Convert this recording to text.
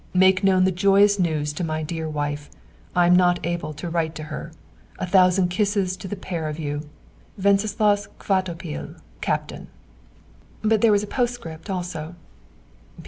Make known the joyous news to my dear wife. I am not able to write to her. A thousand kisses to the pair of you._ "WENCESLAUS KVATOPIL, Captain." But there was a postscript also.